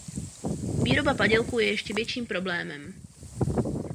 Výroba padělků je ještě větším problémem.